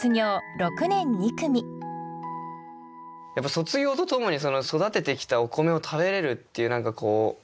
卒業とともに育ててきたお米を食べれるっていうありがたみ。